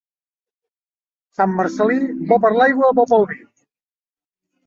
Sant Marcel·lí, bo per l'aigua, bo pel vi.